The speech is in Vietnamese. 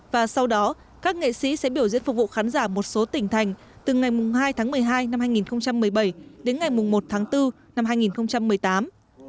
và sau đó các nghệ sĩ sẽ biểu diễn phục vụ khán giả một số tỉnh thành từ ngày hai tháng một mươi hai năm hai nghìn một mươi bảy đến ngày một tháng bốn năm hai nghìn một mươi tám